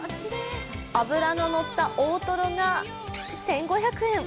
脂ののった大トロが１５００円。